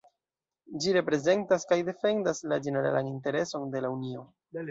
Ĝi reprezentas kaj defendas la ĝeneralan intereson de la Unio.